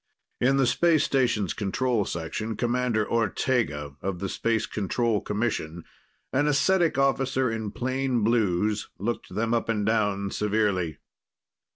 In the space station's control section, Commander Ortega of the Space Control Commission, an ascetic officer in plain blues, looked them up and down severely.